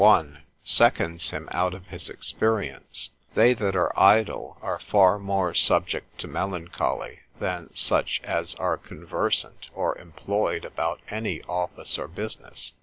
1, seconds him out of his experience, They that are idle are far more subject to melancholy than such as are conversant or employed about any office or business.